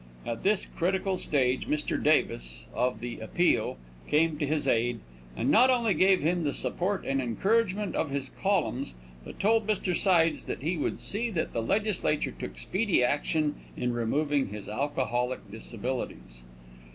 At this critical stage Mr. Davis, of the Appeal, came to his aid, and not only gave him the support and encouragement of his columns, but told Mr. Sides that he would see that the legislature took speedy action in removing his alcoholic disabilities.